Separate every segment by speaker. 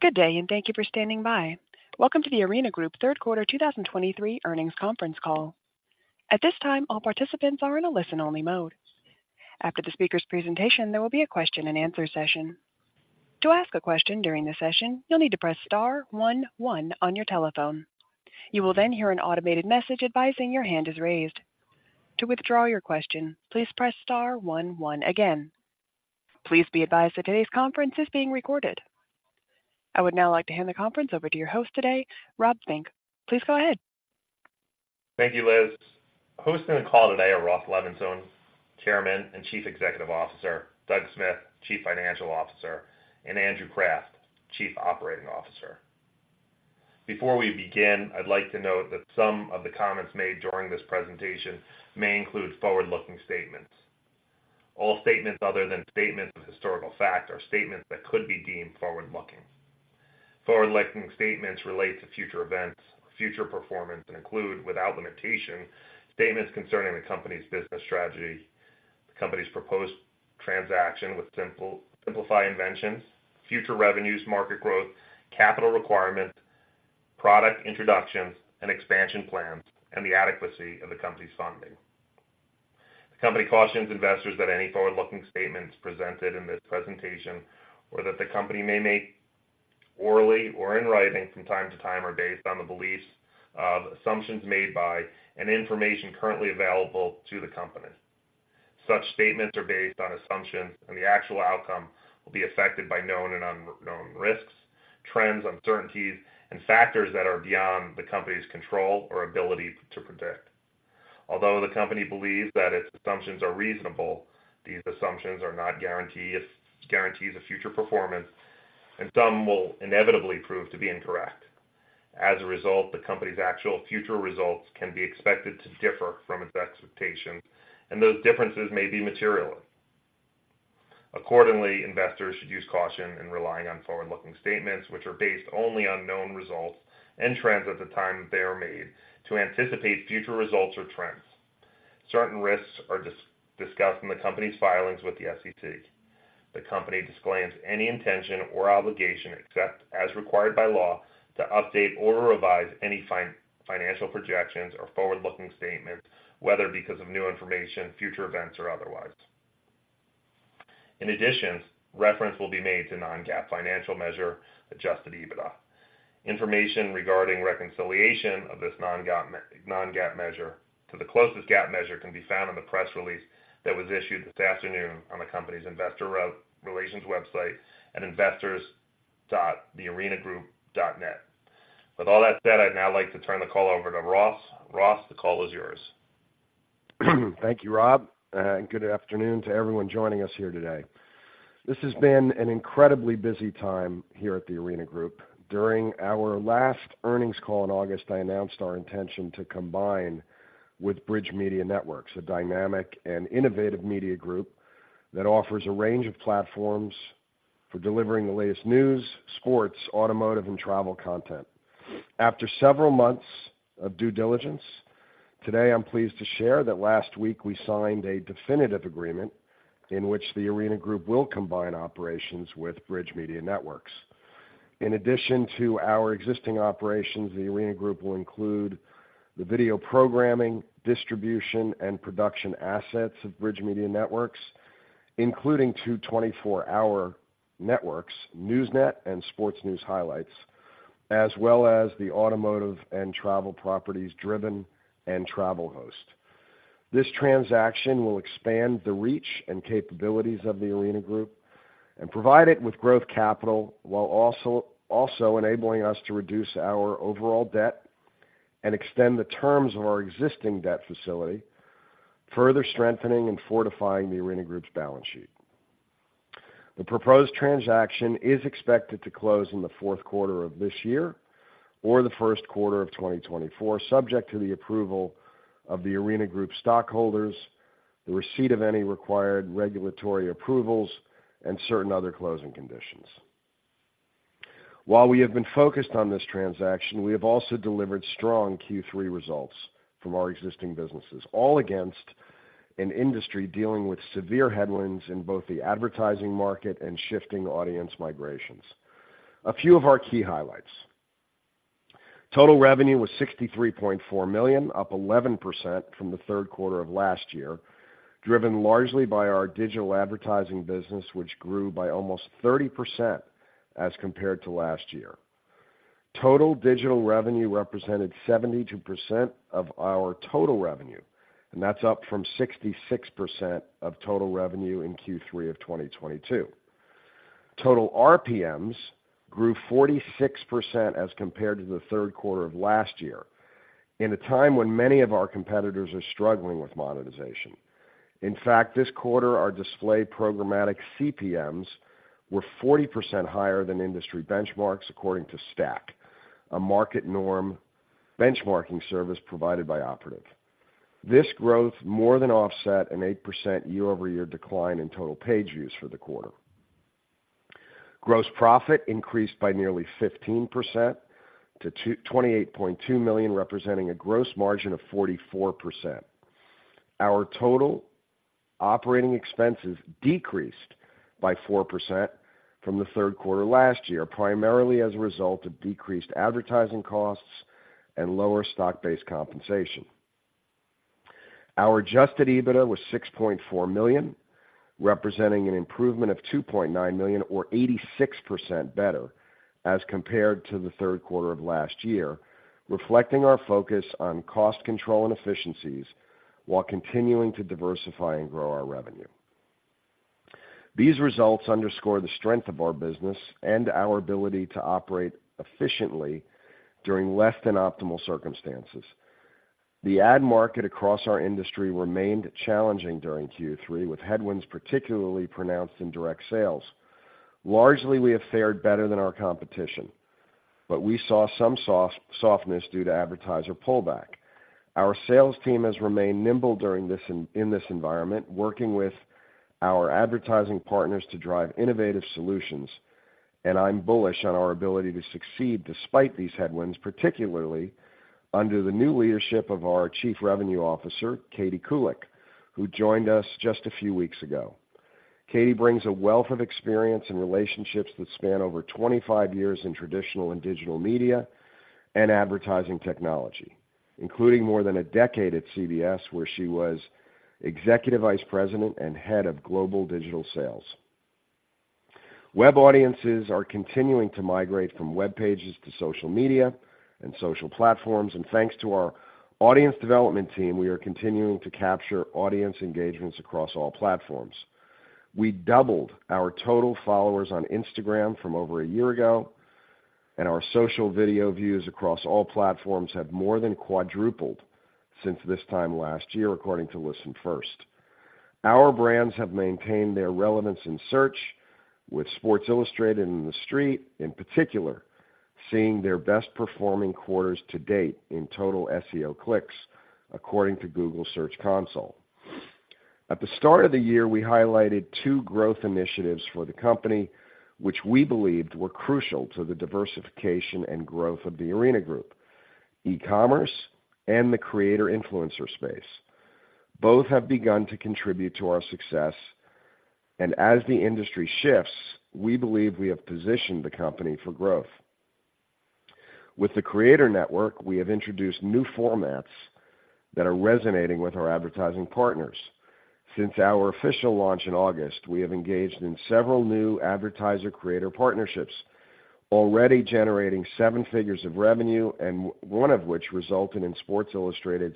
Speaker 1: Good day, and thank you for standing by. Welcome to The Arena Group third quarter 2023 earnings conference call. At this time, all participants are in a listen-only mode. After the speaker's presentation, there will be a question-and-answer session. To ask a question during the session, you'll need to press star-one-one on your telephone. You will then hear an automated message advising your hand is raised. To withdraw your question, please press star one one again. Please be advised that today's conference is being recorded. I would now like to hand the conference over to your host today, Rob Fink. Please go ahead.
Speaker 2: Thank you, Liz. Hosting the call today are Ross Levinsohn, Chairman and Chief Executive Officer, Doug Smith, Chief Financial Officer, and Andrew Kraft, Chief Operating Officer. Before we begin, I'd like to note that some of the comments made during this presentation may include forward-looking statements. All statements other than statements of historical fact are statements that could be deemed forward-looking. Forward-looking statements relate to future events, future performance, and include, without limitation, statements concerning the company's business strategy, the company's proposed transaction with Simplify Inventions, future revenues, market growth, capital requirements, product introductions and expansion plans, and the adequacy of the company's funding. The company cautions investors that any forward-looking statements presented in this presentation, or that the company may make orally or in writing from time to time, are based on the beliefs of assumptions made by and information currently available to the company. Such statements are based on assumptions, and the actual outcome will be affected by known and unknown risks, trends, uncertainties, and factors that are beyond the company's control or ability to predict. Although the company believes that its assumptions are reasonable, these assumptions are not guarantees, guarantees of future performance, and some will inevitably prove to be incorrect. As a result, the company's actual future results can be expected to differ from its expectations, and those differences may be material. Accordingly, investors should use caution in relying on forward-looking statements, which are based only on known results and trends at the time they are made, to anticipate future results or trends. Certain risks are discussed in the company's filings with the SEC. The company disclaims any intention or obligation, except as required by law, to update or revise any financial projections or forward-looking statements, whether because of new information, future events, or otherwise. In addition, reference will be made to non-GAAP financial measure, Adjusted EBITDA. Information regarding reconciliation of this non-GAAP measure to the closest GAAP measure can be found in the press release that was issued this afternoon on the company's investor relations website at investors.thearenagroup.net. With all that said, I'd now like to turn the call over to Ross. Ross, the call is yours.
Speaker 3: Thank you, Rob, good afternoon to everyone joining us here today. This has been an incredibly busy time here at The Arena Group. During our last earnings call in August, I announced our intention to combine with Bridge Media Networks, a dynamic and innovative media group that offers a range of platforms for delivering the latest news, sports, automotive, and travel content. After several months of due diligence, today, I'm pleased to share that last week we signed a definitive agreement in which The Arena Group will combine operations with Bridge Media Networks. In addition to our existing operations, The Arena Group will include the video programming, distribution, and production assets of Bridge Media Networks, including two 24-hour networks, NEWSnet and Sports News Highlights, as well as the automotive and travel properties, Driven and TravelHost. This transaction will expand the reach and capabilities of The Arena Group and provide it with growth capital, while also enabling us to reduce our overall debt and extend the terms of our existing debt facility, further strengthening and fortifying The Arena Group's balance sheet. The proposed transaction is expected to close in the fourth quarter of this year or the first quarter of 2024, subject to the approval of The Arena Group stockholders, the receipt of any required regulatory approvals, and certain other closing conditions. While we have been focused on this transaction, we have also delivered strong Q3 results from our existing businesses, all against an industry dealing with severe headwinds in both the advertising market and shifting audience migrations. A few of our key highlights: Total revenue was $63.4 million, up 11% from the third quarter of last year, driven largely by our digital advertising business, which grew by almost 30% as compared to last year. Total digital revenue represented 72% of our total revenue, and that's up from 66% of total revenue in Q3 of 2022. Total RPMs grew 46% as compared to the third quarter of last year, in a time when many of our competitors are struggling with monetization. In fact, this quarter, our display programmatic CPMs were 40% higher than industry benchmarks, according to STAQ, a market norm benchmarking service provided by Operative. This growth more than offset an 8% year-over-year decline in total page views for the quarter. Gross profit increased by nearly 15% to $28.2 million, representing a gross margin of 44%. Our total operating expenses decreased by 4% from the third quarter last year, primarily as a result of decreased advertising costs and lower stock-based compensation. Our adjusted EBITDA was $6.4 million, representing an improvement of $2.9 million, or 86% better, as compared to the third quarter of last year, reflecting our focus on cost control and efficiencies, while continuing to diversify and grow our revenue. These results underscore the strength of our business and our ability to operate efficiently during less than optimal circumstances. The ad market across our industry remained challenging during Q3, with headwinds particularly pronounced in direct sales. Largely, we have fared better than our competition, but we saw some softness due to advertiser pullback. Our sales team has remained nimble during this in this environment, working with our advertising partners to drive innovative solutions, and I'm bullish on our ability to succeed despite these headwinds, particularly under the new leadership of our Chief Revenue Officer, Katie Kulik, who joined us just a few weeks ago. Katie brings a wealth of experience and relationships that span over 25 years in traditional and digital media and advertising technology, including more than a decade at CBS, where she was Executive Vice President and Head of Global Digital Sales. web audiences are continuing to migrate from web pages to social media and social platforms, and thanks to our audience development team, we are continuing to capture audience engagements across all platforms. We doubled our total followers on Instagram from over a year ago, and our social video views across all platforms have more than quadrupled since this time last year, according to ListenFirst. Our brands have maintained their relevance in search, with Sports Illustrated and TheStreet, in particular, seeing their best performing quarters to date in total SEO clicks, according to Google Search Console. At the start of the year, we highlighted two growth initiatives for the company, which we believed were crucial to the diversification and growth of The Arena Group: e-commerce and the creator influencer space. Both have begun to contribute to our success, and as the industry shifts, we believe we have positioned the company for growth. With the Creator Network, we have introduced new formats that are resonating with our advertising partners. Since our official launch in August, we have engaged in several new advertiser-creator partnerships, already generating 7 figures of revenue, and one of which resulted in Sports Illustrated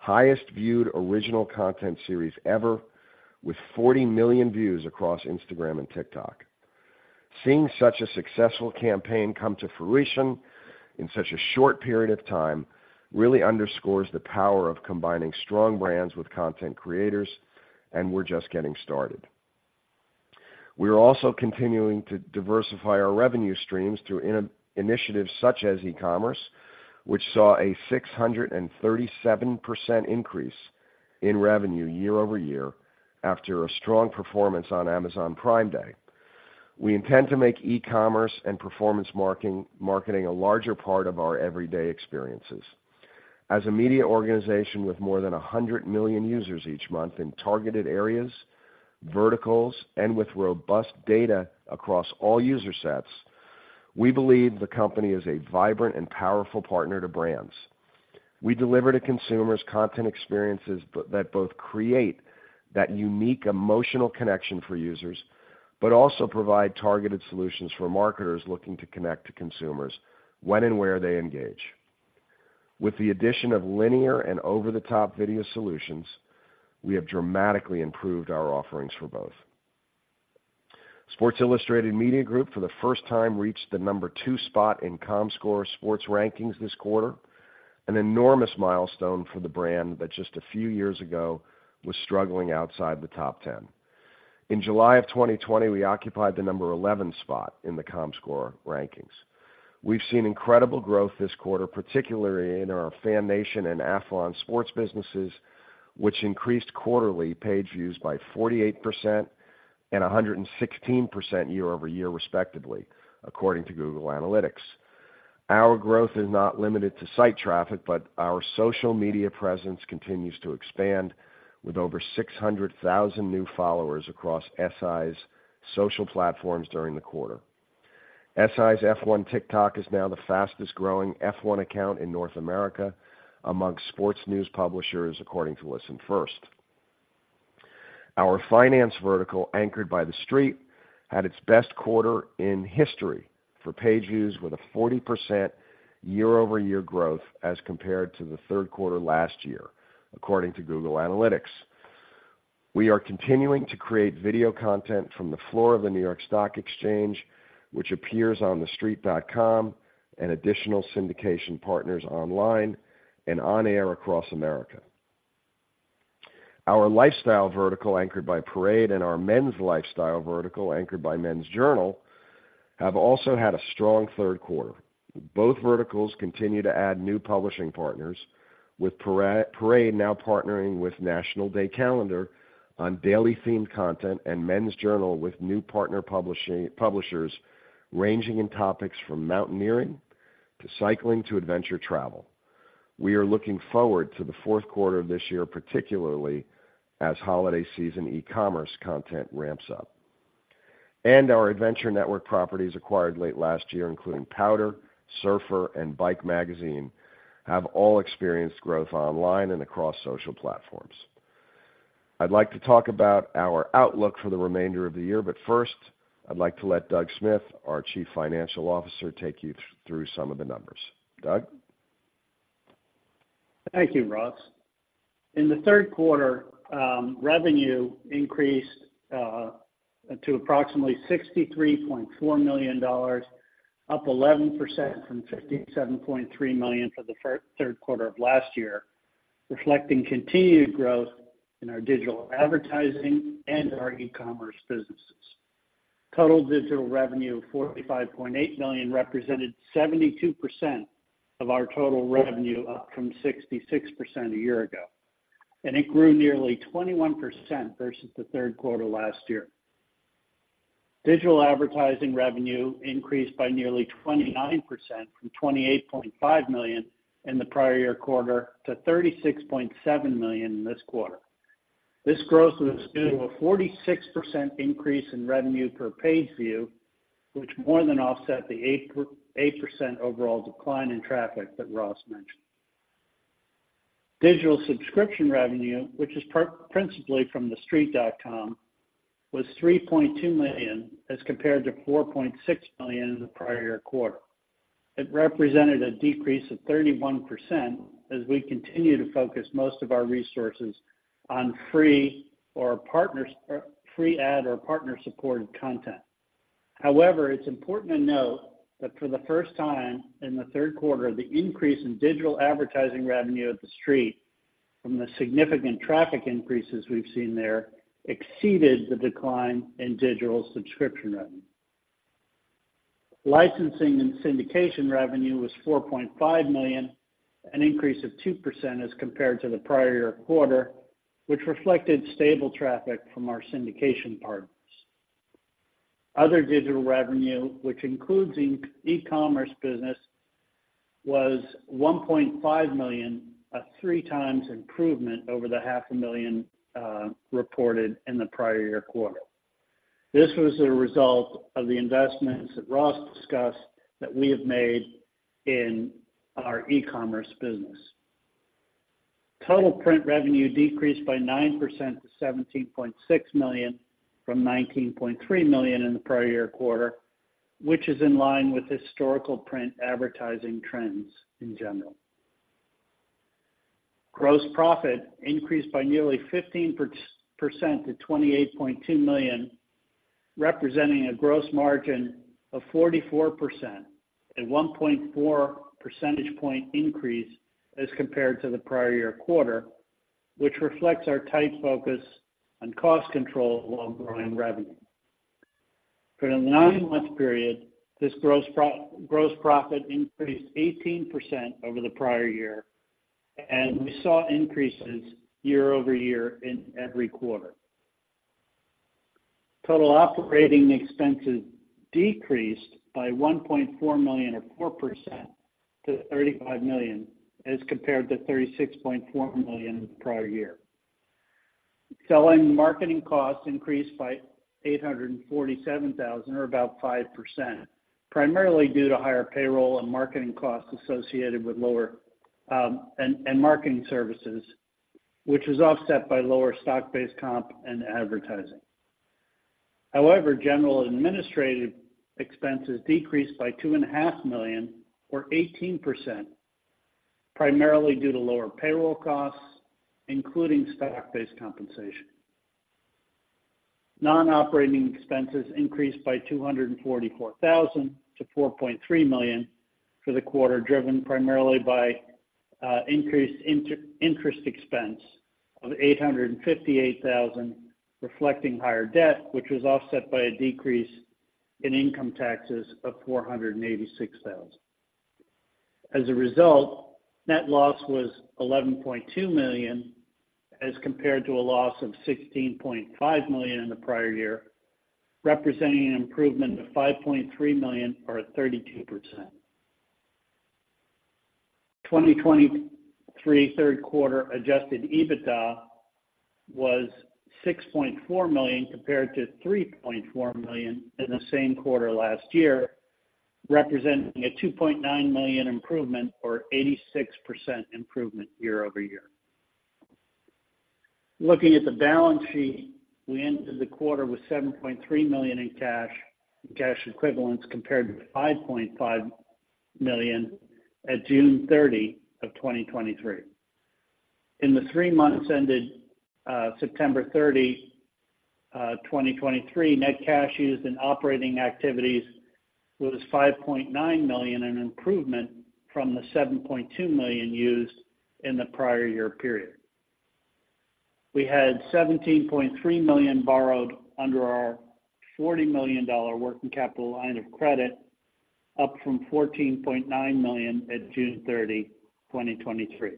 Speaker 3: highest viewed original content series ever, with 40 million views across Instagram and TikTok. Seeing such a successful campaign come to fruition in such a short period of time, really underscores the power of combining strong brands with content creators, and we're just getting started. We are also continuing to diversify our revenue streams through initiatives such as e-commerce, which saw a 637% increase in revenue year-over-year after a strong performance on Amazon Prime Day. We intend to make e-commerce and performance marketing a larger part of our everyday experiences. As a media organization with more than 100 million users each month in targeted areas, verticals, and with robust data across all user sets, we believe the company is a vibrant and powerful partner to brands. We deliver to consumers content experiences that both create that unique emotional connection for users, but also provide targeted solutions for marketers looking to connect to consumers when and where they engage. With the addition of linear and over-the-top video solutions, we have dramatically improved our offerings for both. Sports Illustrated Media Group, for the first time, reached the number two spot in Comscore sports rankings this quarter, an enormous milestone for the brand that just a few years ago was struggling outside the top 10. In July of 2020, we occupied the number 11 spot in the Comscore rankings. We've seen incredible growth this quarter, particularly in our FanNation and Athlon Sports businesses, which increased quarterly page views by 48% and 116% year-over-year, respectively, according to Google Analytics. Our growth is not limited to site traffic, but our social media presence continues to expand with over 600,000 new followers across SI's social platforms during the quarter. SI's F1 TikTok is now the fastest growing F1 account in North America among sports news publishers, according to ListenFirst. Our finance vertical, anchored by TheStreet, had its best quarter in history for page views, with a 40% year-over-year growth as compared to the third quarter last year, according to Google Analytics. We are continuing to create video content from the floor of the New York Stock Exchange, which appears on TheStreet.com and additional syndication partners online and on air across America. Our lifestyle vertical, anchored by Parade, and our men's lifestyle vertical, anchored by Men's Journal, have also had a strong third quarter. Both verticals continue to add new publishing partners, with Parade now partnering with National Day Calendar on daily themed content, and Men's Journal with new partner publishers ranging in topics from mountaineering to cycling, to adventure travel. We are looking forward to the fourth quarter of this year, particularly as holiday season e-commerce content ramps up. Our adventure network properties acquired late last year, including Powder, Surfer, and BIKE Magazine, have all experienced growth online and across social platforms. I'd like to talk about our outlook for the remainder of the year, but first, I'd like to let Doug Smith, our Chief Financial Officer, take you through some of the numbers. Doug?
Speaker 4: Thank you, Ross. In the third quarter, revenue increased to approximately $63.4 million, up 11% from $57.3 million for the third quarter of last year, reflecting continued growth in our digital advertising and our e-commerce businesses. Total digital revenue of $45.8 million represented 72% of our total revenue, up from 66% a year ago, and it grew nearly 21% versus the third quarter last year. Digital advertising revenue increased by nearly 29% from $28.5 million in the prior year quarter to $36.7 million in this quarter. This growth was due to a 46% increase in revenue per page view, which more than offset the 8% overall decline in traffic that Ross mentioned. Digital subscription revenue, which is principally from TheStreet.com, was $3.2 million, as compared to $4.6 million in the prior year quarter. It represented a decrease of 31% as we continue to focus most of our resources on free ad or partner-supported content. However, it's important to note that for the first time in the third quarter, the increase in digital advertising revenue at TheStreet from the significant traffic increases we've seen there, exceeded the decline in digital subscription revenue. Licensing and syndication revenue was $4.5 million, an increase of 2% as compared to the prior year quarter, which reflected stable traffic from our syndication partners. Other digital revenue, which includes e-commerce business, was $1.5 million, a three times improvement over the half a million reported in the prior year quarter. This was a result of the investments that Ross discussed, that we have made in our e-commerce business. Total print revenue decreased by 9% to $17.6 million from $19.3 million in the prior year quarter, which is in line with historical print advertising trends in general. Gross profit increased by nearly 15% to $28.2 million, representing a gross margin of 44%, a 1.4 percentage point increase as compared to the prior year quarter, which reflects our tight focus on cost control while growing revenue. For the 9-month period, this gross profit increased 18% over the prior year, and we saw increases year-over-year in every quarter. Total operating expenses decreased by $1.4 million or 4% to $35 million, as compared to $36.4 million the prior year. Selling marketing costs increased by $847,000 or about 5%, primarily due to higher payroll and marketing costs associated with lower marketing services, which was offset by lower stock-based comp and advertising. However, general administrative expenses decreased by $2.5 million, or 18%, primarily due to lower payroll costs, including stock-based compensation. Non-operating expenses increased by $244,000 to $4.3 million for the quarter, driven primarily by increased interest expense of $858,000, reflecting higher debt, which was offset by a decrease in income taxes of $486,000. As a result, net loss was $11.2 million, as compared to a loss of $16.5 million in the prior year, representing an improvement of $5.3 million or 32%. 2023 third quarter Adjusted EBITDA was $6.4 million compared to $3.4 million in the same quarter last year, representing a $2.9 million improvement or 86% improvement year-over-year. Looking at the balance sheet, we ended the quarter with $7.3 million in cash and cash equivalents, compared to $5.5 million at June 30, 2023. In the three months ended September 30, 2023, net cash used in operating activities was $5.9 million, an improvement from the $7.2 million used in the prior year period. We had $17.3 million borrowed under our $40 million working capital line of credit, up from $14.9 million at June 30, 2023.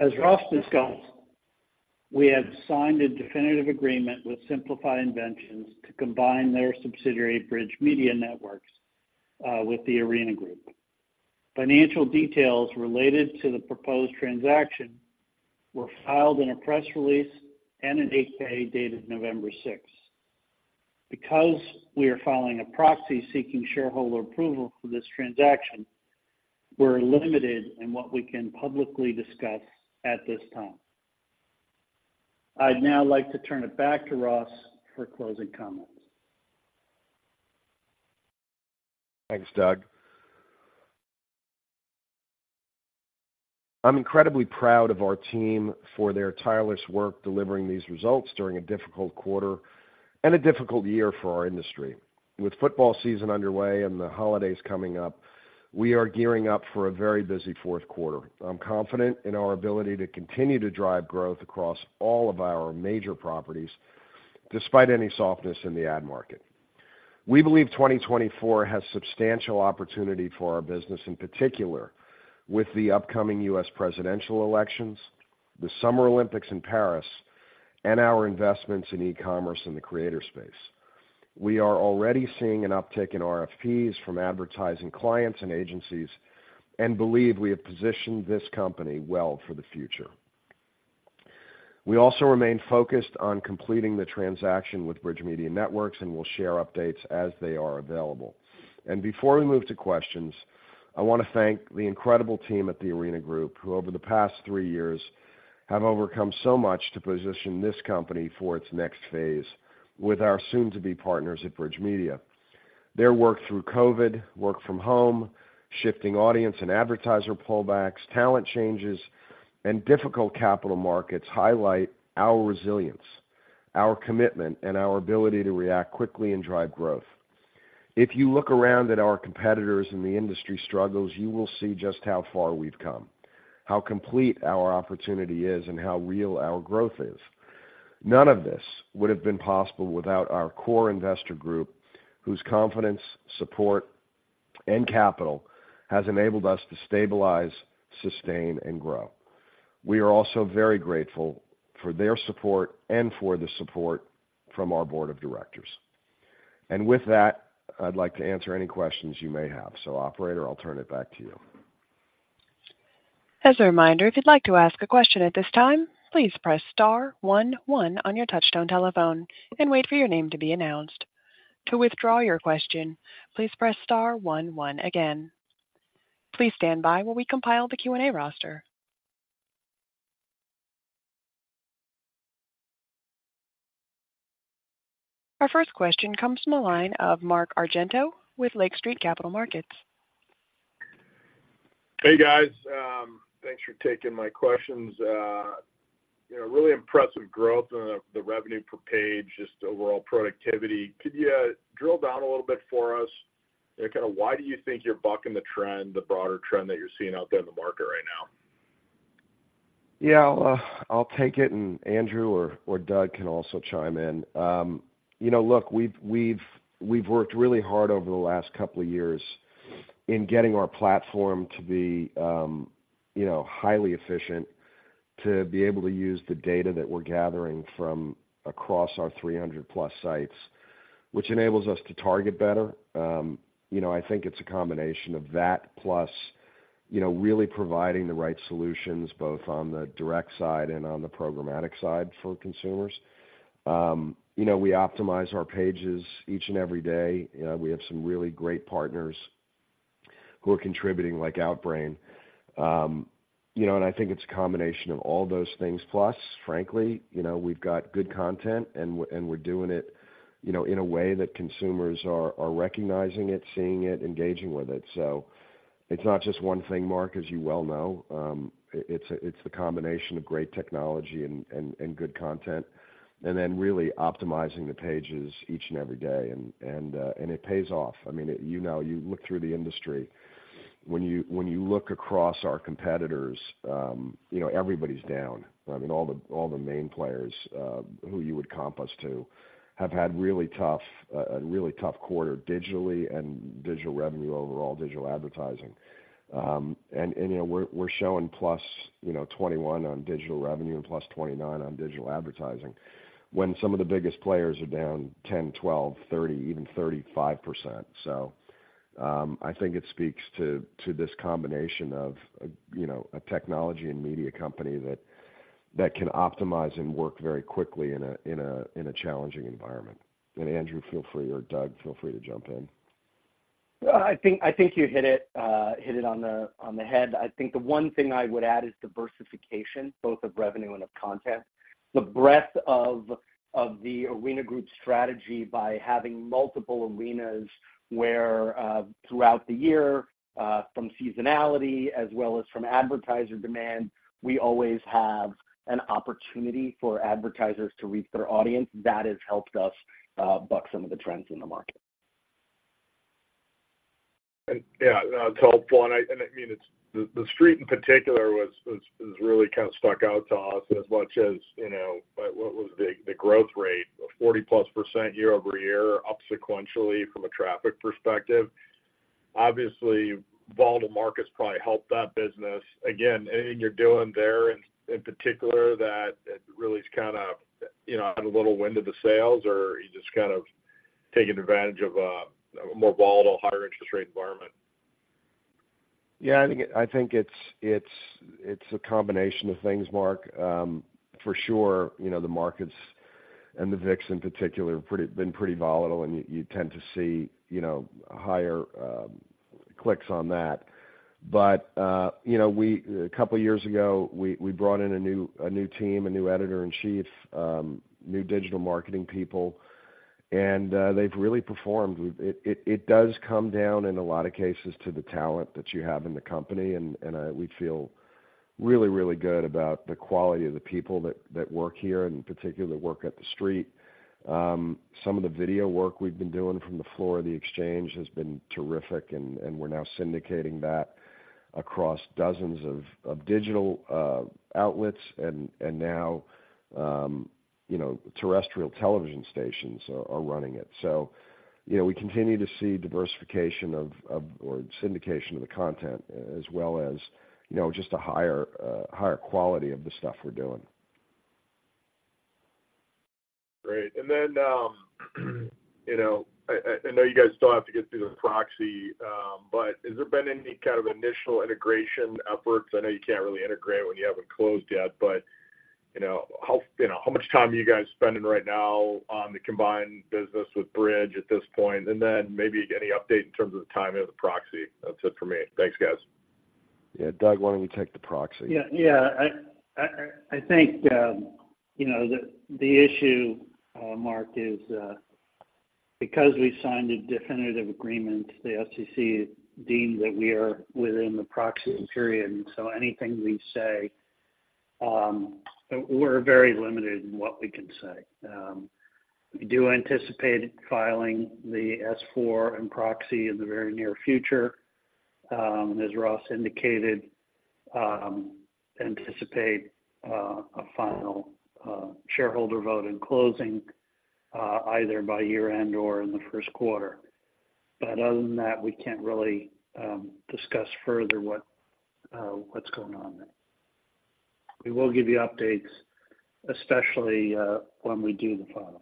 Speaker 4: As Ross discussed, we have signed a definitive agreement with Simplify Inventions to combine their subsidiary, Bridge Media Networks, with The Arena Group. Financial details related to the proposed transaction were filed in a press release and an 8-K dated November 6. Because we are filing a proxy seeking shareholder approval for this transaction, we're limited in what we can publicly discuss at this time. I'd now like to turn it back to Ross for closing comments.
Speaker 3: Thanks, Doug. I'm incredibly proud of our team for their tireless work delivering these results during a difficult quarter and a difficult year for our industry. With football season underway and the holidays coming up, we are gearing up for a very busy fourth quarter. I'm confident in our ability to continue to drive growth across all of our major properties, despite any softness in the ad market. We believe 2024 has substantial opportunity for our business, in particular, with the upcoming U.S. presidential elections, the Summer Olympics in Paris, and our investments in e-commerce and the creator space. We are already seeing an uptick in RFPs from advertising clients and agencies and believe we have positioned this company well for the future. We also remain focused on completing the transaction with Bridge Media Networks, and we'll share updates as they are available. Before we move to questions, I want to thank the incredible team at The Arena Group, who, over the past three years, have overcome so much to position this company for its next phase with our soon-to-be partners at Bridge Media. Their work through COVID, work from home, shifting audience and advertiser pullbacks, talent changes, and difficult capital markets highlight our resilience, our commitment, and our ability to react quickly and drive growth. If you look around at our competitors and the industry struggles, you will see just how far we've come, how complete our opportunity is, and how real our growth is. None of this would have been possible without our core investor group, whose confidence, support, and capital has enabled us to stabilize, sustain, and grow. We are also very grateful for their support and for the support from our board of directors. With that, I'd like to answer any questions you may have. Operator, I'll turn it back to you.
Speaker 1: As a reminder, if you'd like to ask a question at this time, please press star 1, 1 on your touch-tone telephone and wait for your name to be announced. To withdraw your question, please press star 1, 1 again. Please stand by while we compile the Q&A roster. Our first question comes from the line of Mark Argento with Lake Street Capital Markets.
Speaker 5: Hey, guys, thanks for taking my questions. You know, really impressive growth in the revenue per page, just overall productivity. Could you drill down a little bit for us? You know, kind of why do you think you're bucking the trend, the broader trend that you're seeing out there in the market right now?
Speaker 3: Yeah, I'll take it, and Andrew or Doug can also chime in. You know, look, we've worked really hard over the last couple of years in getting our platform to be, you know, highly efficient, to be able to use the data that we're gathering from across our 300+ sites, which enables us to target better. You know, I think it's a combination of that plus, you know, really providing the right solutions, both on the direct side and on the programmatic side for consumers. You know, we optimize our pages each and every day. We have some really great partners who are contributing, like Outbrain. You know, and I think it's a combination of all those things. Plus, frankly, you know, we've got good content, and we're doing it, you know, in a way that consumers are recognizing it, seeing it, engaging with it. So it's not just one thing, Mark, as you well know. It's the combination of great technology and good content, and then really optimizing the pages each and every day, and it pays off. I mean, you know, you look through the industry, when you look across our competitors, you know, everybody's down. I mean, all the main players who you would comp us to have had really tough, a really tough quarter digitally and digital revenue, overall digital advertising. And, you know, we're showing +21% on digital revenue and +29% on digital advertising, when some of the biggest players are down 10%, 12%, 30%, even 35%. So, I think it speaks to this combination of, you know, a technology and media company that can optimize and work very quickly in a challenging environment. And Andrew, feel free, or Doug, feel free to jump in.
Speaker 6: I think, I think you hit it, hit it on the, on the head. I think the one thing I would add is diversification, both of revenue and of content. The breadth of, of The Arena Group's strategy by having multiple arenas where, throughout the year, from seasonality as well as from advertiser demand, we always have an opportunity for advertisers to reach their audience. That has helped us, buck some of the trends in the market.
Speaker 5: Yeah, that's helpful. And I mean, it's TheStreet in particular that really stood out to us as much as, you know, because of the growth rate of 40%+ year-over-year, up sequentially from a traffic perspective.... Obviously, volatile market's probably helped that business. Again, anything you're doing there in particular that really is kind of, you know, adding a little wind to the sails, or are you just kind of taking advantage of a more volatile, higher interest rate environment?
Speaker 3: Yeah, I think it's a combination of things, Mark. For sure, you know, the markets and the VIX in particular have been pretty volatile, and you tend to see, you know, higher clicks on that. But, you know, a couple of years ago, we brought in a new team, a new editor-in-chief, new digital marketing people, and they've really performed. It does come down in a lot of cases to the talent that you have in the company, and we feel really good about the quality of the people that work here, and in particular, that work at TheStreet. Some of the video work we've been doing from the floor of the exchange has been terrific, and we're now syndicating that across dozens of digital outlets, and now, you know, terrestrial television stations are running it. So, you know, we continue to see diversification of or syndication of the content as well as, you know, just a higher, higher quality of the stuff we're doing.
Speaker 5: Great. And then, you know, I know you guys still have to get through the proxy, but has there been any kind of initial integration efforts? I know you can't really integrate when you haven't closed yet, but, you know, how, you know, how much time are you guys spending right now on the combined business with Bridge at this point? And then maybe any update in terms of the timing of the proxy. That's it for me. Thanks, guys.
Speaker 3: Yeah. Doug, why don't you take the proxy?
Speaker 4: Yeah, yeah. I think, you know, the issue, Mark, is because we signed a definitive agreement, the FCC deemed that we are within the proxy period, and so anything we say, we're very limited in what we can say. We do anticipate filing the S4 and proxy in the very near future. As Ross indicated, anticipate a final shareholder vote in closing either by year-end or in the first quarter. But other than that, we can't really discuss further what's going on there. We will give you updates, especially when we do the final.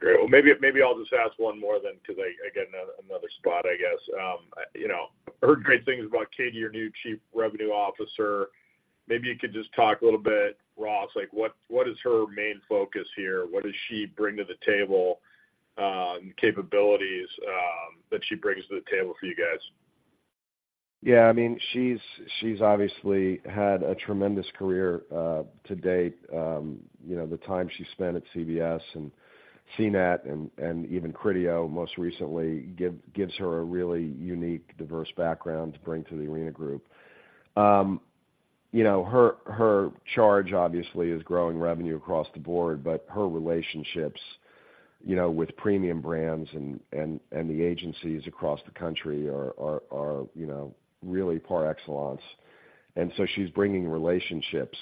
Speaker 5: Great. Well, maybe I'll just ask one more then, because I get another spot, I guess. You know, I've heard great things about Katie, your new Chief Revenue Officer. Maybe you could just talk a little bit, Ross, like, what is her main focus here? What does she bring to the table, capabilities that she brings to the table for you guys?
Speaker 3: Yeah, I mean, she's obviously had a tremendous career to date. You know, the time she spent at CBS and CNET and even Criteo most recently gives her a really unique, diverse background to bring to the Arena Group. You know, her charge, obviously, is growing revenue across the board, but her relationships, you know, with premium brands and the agencies across the country are, you know, really par excellence. And so she's bringing relationships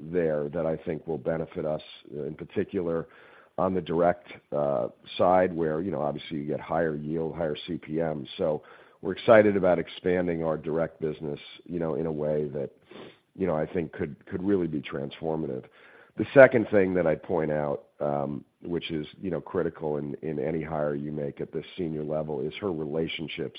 Speaker 3: there that I think will benefit us, in particular, on the direct side, where, you know, obviously, you get higher yield, higher CPM. So we're excited about expanding our direct business, you know, in a way that, you know, I think could really be transformative. The second thing that I'd point out, which is, you know, critical in any hire you make at this senior level, is her relationships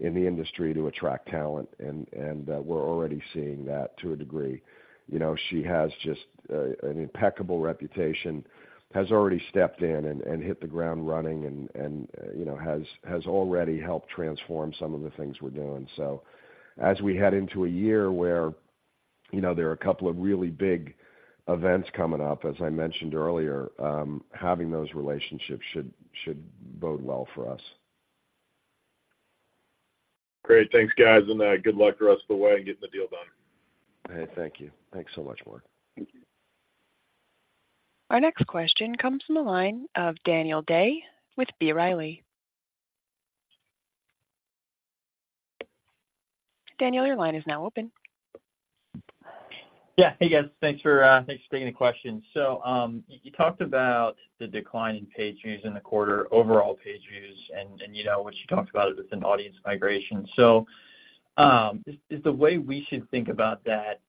Speaker 3: in the industry to attract talent, and we're already seeing that to a degree. You know, she has just an impeccable reputation, has already stepped in and hit the ground running and, you know, has already helped transform some of the things we're doing. So as we head into a year where, you know, there are a couple of really big events coming up, as I mentioned earlier, having those relationships should bode well for us.
Speaker 5: Great. Thanks, guys, and good luck the rest of the way in getting the deal done.
Speaker 3: Hey, thank you. Thanks so much, Mark.
Speaker 4: Thank you.
Speaker 1: Our next question comes from the line of Daniel Day with B. Riley. Daniel, your line is now open.
Speaker 7: Yeah. Hey, guys, thanks for, thanks for taking the question. So, you, you talked about the decline in page views in the quarter, overall page views, and, and you know, what you talked about with an audience migration. So, is, is the way we should think about that,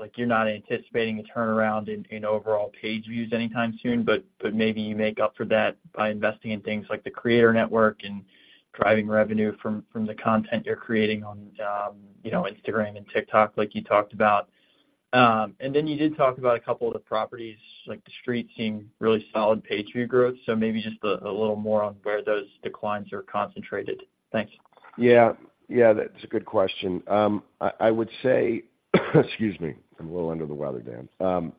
Speaker 7: like, you're not anticipating a turnaround in, in overall page views anytime soon, but, but maybe you make up for that by investing in things like the Creator Network and driving revenue from, from the content you're creating on, you know, Instagram and TikTok, like you talked about? And then you did talk about a couple of the properties, like TheStreet, seeing really solid page view growth, so maybe just a, a little more on where those declines are concentrated. Thanks.
Speaker 3: Yeah. Yeah, that's a good question. I would say, excuse me, I'm a little under the weather, Dan.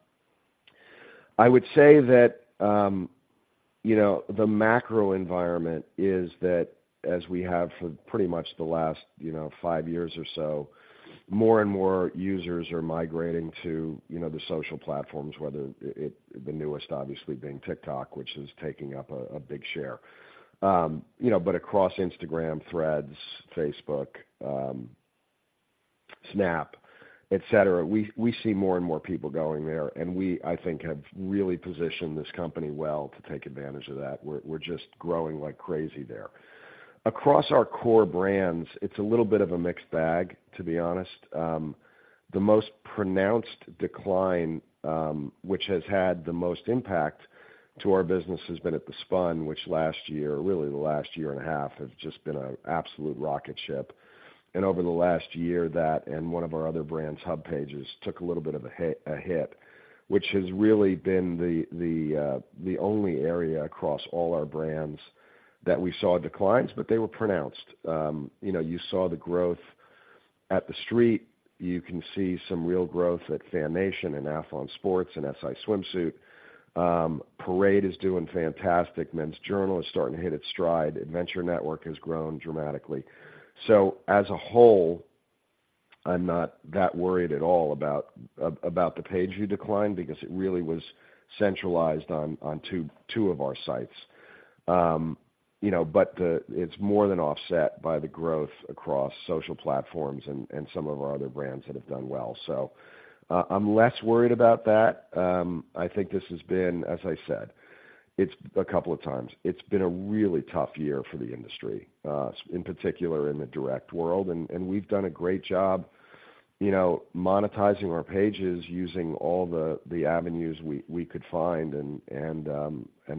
Speaker 3: I would say that, you know, the macro environment is that as we have for pretty much the last, you know, five years or so, more and more users are migrating to, you know, the social platforms, whether the newest obviously being TikTok, which is taking up a big share. You know, but across Instagram, Threads, Facebook, Snap, et cetera. We see more and more people going there, and we, I think, have really positioned this company well to take advantage of that. We're just growing like crazy there. Across our core brands, it's a little bit of a mixed bag, to be honest. The most pronounced decline, which has had the most impact to our business, has been at The Spun, which last year, really the last year and a half, have just been an absolute rocket ship. Over the last year, that and one of our other brands, HubPages, took a little bit of a hit, which has really been the only area across all our brands that we saw declines, but they were pronounced. You know, you saw the growth at TheStreet. You can see some real growth at FanNation and Athlon Sports and SI Swimsuit. Parade is doing fantastic. Men's Journal is starting to hit its stride. Adventure Network has grown dramatically. So as a whole, I'm not that worried at all about the page view decline because it really was centralized on 2, 2 of our sites. You know, but it's more than offset by the growth across social platforms and some of our other brands that have done well. So, I'm less worried about that. I think this has been, as I said, a couple of times, it's been a really tough year for the industry, in particular in the direct world, and we've done a great job, you know, monetizing our pages, using all the avenues we could find, and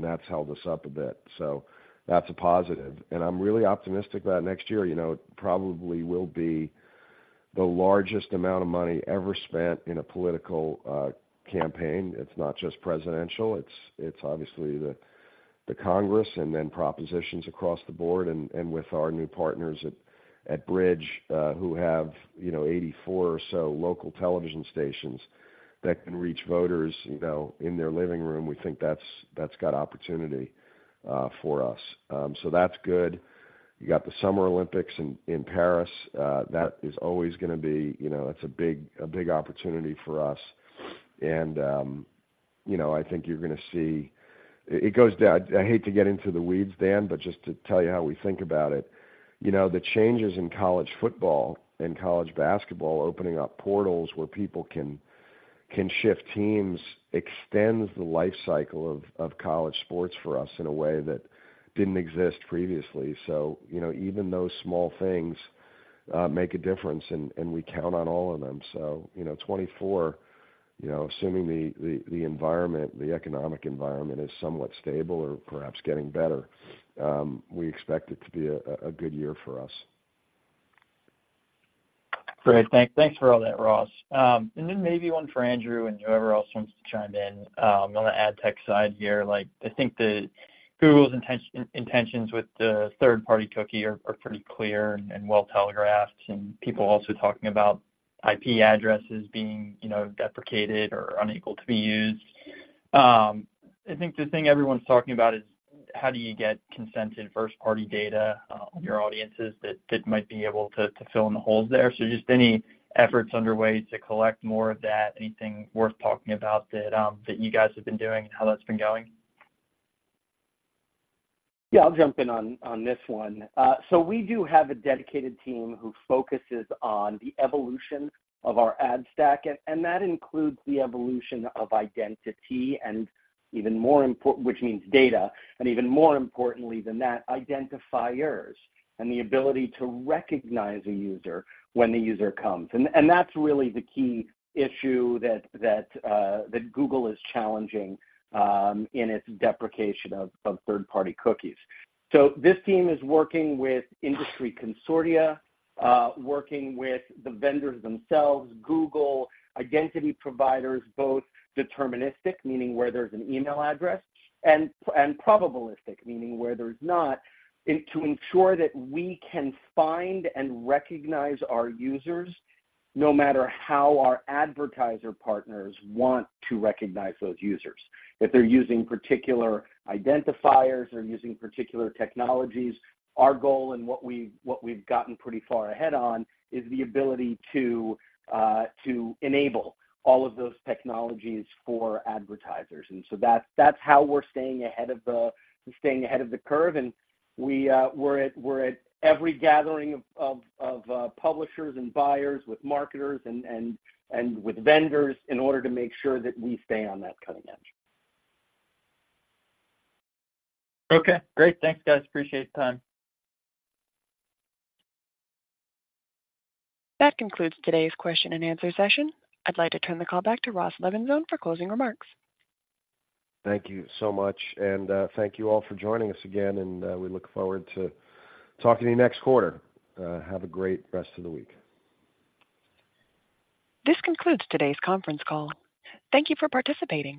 Speaker 3: that's held us up a bit. So that's a positive. And I'm really optimistic that next year, you know, probably will be the largest amount of money ever spent in a political campaign. It's not just presidential, it's obviously the Congress and then propositions across the board. And with our new partners at Bridge, who have, you know, 84 or so local television stations that can reach voters, you know, in their living room, we think that's got opportunity for us. So that's good. You got the Summer Olympics in Paris. That is always gonna be, you know, it's a big opportunity for us. And, you know, I think you're gonna see... It goes down. I hate to get into the weeds, Dan, but just to tell you how we think about it. You know, the changes in college football and college basketball, opening up portals where people can shift teams, extends the life cycle of college sports for us in a way that didn't exist previously. So, you know, even those small things make a difference, and we count on all of them. So, you know, 2024, you know, assuming the environment, the economic environment is somewhat stable or perhaps getting better, we expect it to be a good year for us.
Speaker 7: Great. Thanks for all that, Ross. And then maybe one for Andrew and whoever else wants to chime in. On the ad tech side here, like, I think the Google's intentions with the third-party cookie are pretty clear and well-telegraphed, and people also talking about IP addresses being, you know, deprecated or unable to be used. I think the thing everyone's talking about is how do you get consented first-party data on your audiences that might be able to fill in the holes there? So just any efforts underway to collect more of that, anything worth talking about that you guys have been doing and how that's been going?
Speaker 6: Yeah, I'll jump in on this one. So we do have a dedicated team who focuses on the evolution of our ad stack, and that includes the evolution of identity and even more importantly, which means data, and even more importantly than that, identifiers and the ability to recognize a user when the user comes. And that's really the key issue that Google is challenging in its deprecation of third-party cookies. So this team is working with industry consortia, working with the vendors themselves, Google, identity providers, both deterministic, meaning where there's an email address, and probabilistic, meaning where there's not, and to ensure that we can find and recognize our users, no matter how our advertiser partners want to recognize those users. If they're using particular identifiers or using particular technologies, our goal and what we've gotten pretty far ahead on is the ability to, to enable all of those technologies for advertisers. And so that's, that's how we're staying ahead of the, staying ahead of the curve. And we, we're at, we're at every gathering of, of, of, publishers and buyers, with marketers and, and, and with vendors in order to make sure that we stay on that cutting edge.
Speaker 7: Okay, great. Thanks, guys. Appreciate the time.
Speaker 1: That concludes today's question and answer session. I'd like to turn the call back to Ross Levinsohn for closing remarks.
Speaker 3: Thank you so much, and thank you all for joining us again, and we look forward to talking to you next quarter. Have a great rest of the week.
Speaker 1: This concludes today's conference call. Thank you for participating.